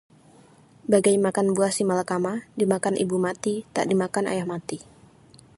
Bagai makan buah simalakama, dimakan ibu mati, tak dimakan ayah mati